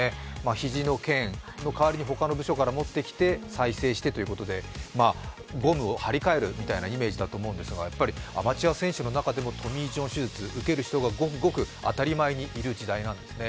肘のけんの代わりにほかのところから持ってきて再生してということで、ゴムを貼り替えるみたいなイメージだと思うんですがアマチュア選手の中でもトミー・ジョン手術受ける人がごくごく当たり前の時代なんですね